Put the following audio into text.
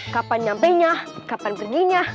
kapan nyampainya kapan perginya